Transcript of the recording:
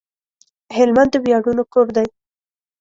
هلمند د وياړونو کور دی